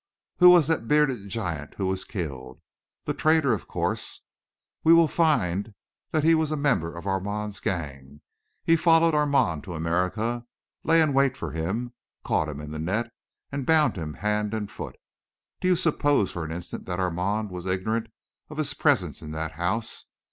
Who was that bearded giant who was killed? The traitor, of course. We will find that he was a member of Armand's gang. He followed Armand to America, lay in wait for him, caught him in the net and bound him hand and foot. Do you suppose for an instant that Armand was ignorant of his presence in that house?